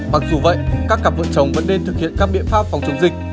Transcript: mặc dù vậy các cặp vợ chồng vẫn nên thực hiện các biện pháp phòng chống dịch